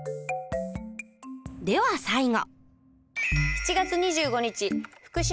では最後。